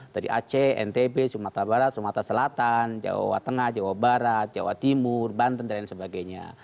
dari aceh ntb sumatera barat sumatera selatan jawa tengah jawa barat jawa timur banten dan lain sebagainya